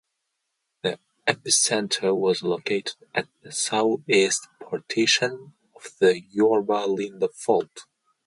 The epicenter was located at the southeast portion of the Yorba Linda Fault.